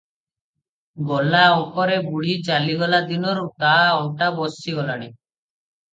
ଗଲା ଅଙ୍କରେ ବୁଢ଼ୀ ଚାଲିଗଲା ଦିନରୁ ତା ଅଣ୍ଟା ବସିଗଲାଣି ।